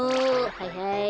はいはい。